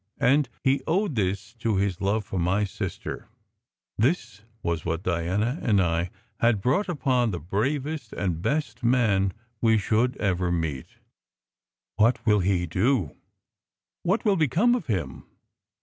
And he owed this to his love for my sister ! This was what Diana and I had brought upon the bravest and best man. we should ever meet. "What will he do? What will become of him?"